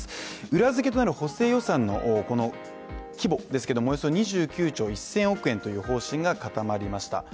裏付けとなる補正予算の規模ですけども、およそ２９兆１０００億円という方針が固まりました